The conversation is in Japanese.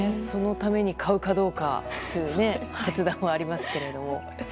そのために買うかどうかという決断はありますけども。